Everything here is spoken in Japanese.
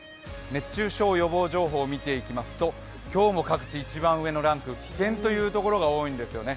熱中症予防情報を見ていきますと今日も各地一番上のランク、危険という所が多いんですよね。